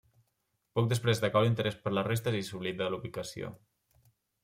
Poc després decau l'interès per les restes i s'oblida la ubicació.